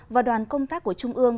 và đoàn công tác của trung ương